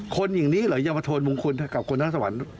คนอย่างนี้หรอกอย่ามาโทนบุญคุณเป็นประโยชน์กับคนทั้งสวรรค์